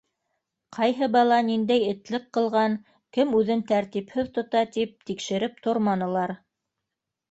Ҡайһы бала ниндәй этлек ҡылған, кем үҙен тәртипһеҙ тота тип тикшереп торманылар.